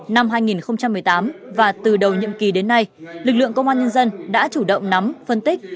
năm hai nghìn một mươi tám và từ đầu nhiệm kỳ đến nay lực lượng công an nhân dân đã chủ động nắm phân tích